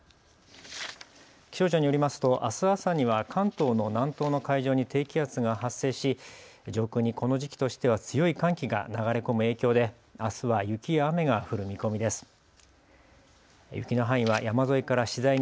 気象庁によりますとあす朝には関東の南東の海上に低気圧が発生し上空にこの時期としては強い寒気が流れ込む影響であすは雪や雨が降る見込みです。